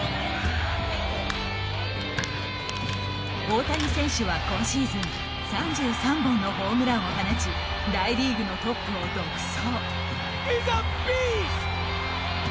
大谷選手は今シーズン３３本のホームランを放ち大リーグのトップを独走。